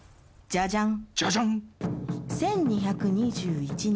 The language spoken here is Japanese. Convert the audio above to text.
ジャジャン！